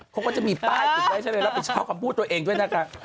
เขาก็จะมีป้ายติดไว้ซะเลยรับผิดชอบคำพูดตัวเองด้วยนะคะ